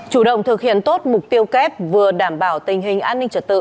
chủ động thực hiện tốt mục tiêu kép vừa đảm bảo tình hình an ninh trật tự